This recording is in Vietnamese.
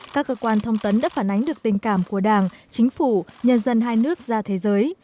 các cơ quan thông tấn đã phản ánh được tình cảm của đảng chính phủ nhân dân hai nước ra thế giới